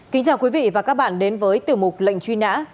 kính chào quý vị và các bạn đến với tiểu mục lệnh truy nã